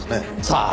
さあ。